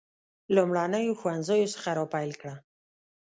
لومړنیو ښوونځیو څخه را پیل کړه.